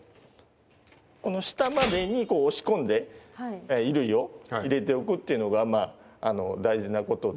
この下までに押し込んで衣類を入れておくっていうのが大事なことで。